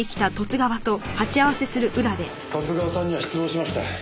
十津川さんには失望しました。